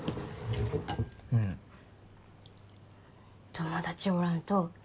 うん友達おらんと？